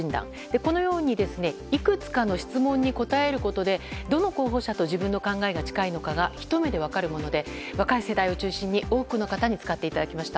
このようにいくつかの質問に答えることでどの候補者と自分の考えが近いのかがひと目で分かるもので若い世代を中心に多くの方に使っていただきました。